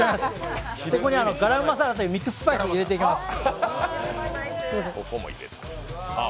ここにガラムマサラというミックススパイスを入れていきます。